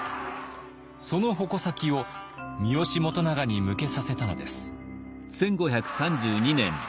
その矛先を三好元長に向けさせたのです。